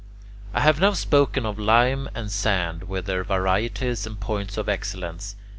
I have now spoken of lime and sand, with their varieties and points of excellence.